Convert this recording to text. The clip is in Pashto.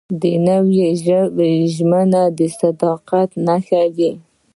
نوې ژمنه د صداقت نښه وي